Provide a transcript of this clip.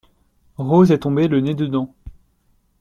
Rose est tombée le nez dedans.